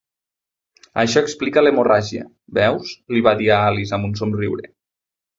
"Això explica l'hemorràgia, veus?", li va dir a Alice amb un somriure.